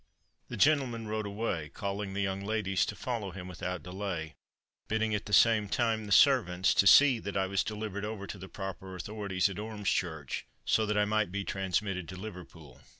The gentleman rode away calling the young ladies to follow him without delay, bidding, at the same time, the servants to see that I was delivered over to the proper authorities at Ormschurch, so that I might be transmitted to Liverpool.